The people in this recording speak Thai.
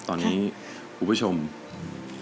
ตอนนี้ผู้ผู้ชมเครื่องการติดกัน